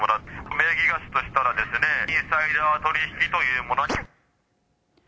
名義貸しとしたら、インサイダー取り引きというものに。